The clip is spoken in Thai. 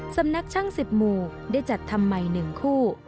สำนักช่าง๑๐หมู่ได้จัดทำใหม่๑คู่